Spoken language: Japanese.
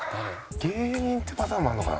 芸人ってパターンもあるのかな？